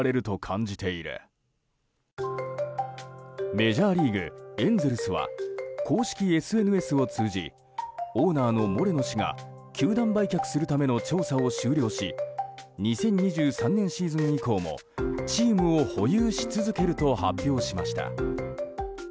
メジャーリーグ、エンゼルスは公式ＳＮＳを通じオーナーのモレノ氏が球団売却するための調査を終了し２０２３年シーズン以降もチームを保有し続けると発表しました。